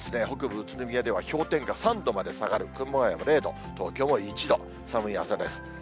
北部、宇都宮では氷点下３度まで下がる、熊谷も０度、東京も１度、寒い朝です。